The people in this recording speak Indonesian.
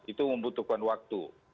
itu membutuhkan waktu